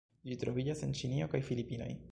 Ĝi troviĝas en Ĉinio kaj Filipinoj.